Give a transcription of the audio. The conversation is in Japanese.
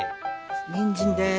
にんじんです。